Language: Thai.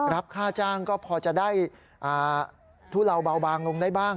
รับค่าจ้างก็พอจะได้ทุเลาเบาบางลงได้บ้าง